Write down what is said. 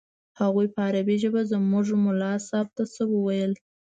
هغوى په عربي ژبه زموږ ملا صاحب ته څه وويل.